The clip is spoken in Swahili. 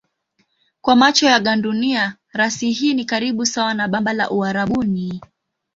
Kwa macho ya gandunia rasi hii ni karibu sawa na bamba la Uarabuni.